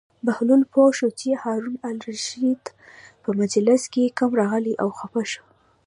بهلول پوه شو چې هارون الرشید په مجلس کې کم راغی او خپه شو.